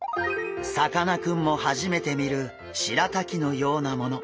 さかなクンも初めて見るしらたきのようなもの。